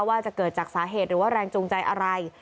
ว่าจะเกิดจากสาเหตุหรือว่าแรงจูงใจอะไร